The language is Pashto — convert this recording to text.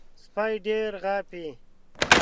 سپي ډېر غاپي .